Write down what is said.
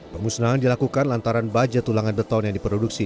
pemusnahan dilakukan lantaran baja tulangan beton yang diproduksi